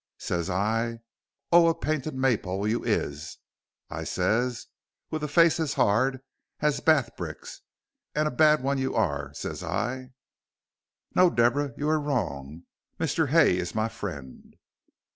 Ses I, oh, a painted maypole you is, I ses, with a face as hard as bath bricks. A bad un you are, ses I." "No, Deborah, you are wrong. Mr. Hay is my friend."